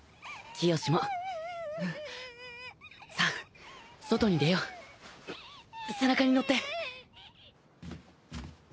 気外に出よう背中に乗って。